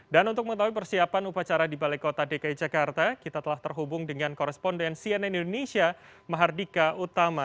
dan untuk mengetahui persiapan upacara di balai kota dki jakarta kita telah terhubung dengan koresponden cnn indonesia mahardika utama